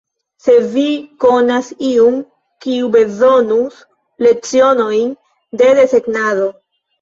Se vi konas iun, kiu bezonus lecionojn de desegnado.